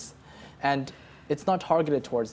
dan tidak tergantung keuntungan pelajar